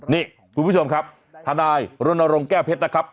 นี่คุณผู้ชมครับทนายรณรงค์แก้วเพชรนะครับ